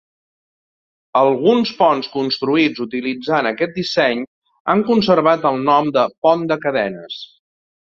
Alguns ponts construïts utilitzant aquest disseny han conservat el nom de "pont de cadenes".